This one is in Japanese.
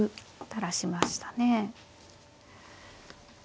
垂らしましたね。